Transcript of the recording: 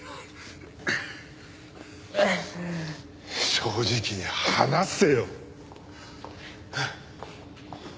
正直に話せよ。